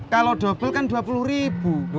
kalau double kan dua puluh ribu